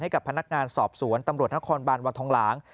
กับพนักงานสอบสวนตำรวจนครบานวัดทองหลาง